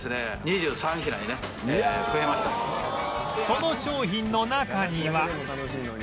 その商品の中には